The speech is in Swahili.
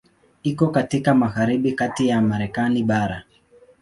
Iko katika magharibi kati ya Marekani bara.